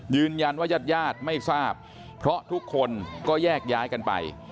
ญาติญาติไม่ทราบเพราะทุกคนก็แยกย้ายกันไป